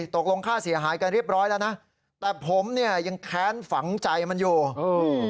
ตกลงค่าเสียหายกันเรียบร้อยแล้วนะแต่ผมเนี่ยยังแค้นฝังใจมันอยู่อืม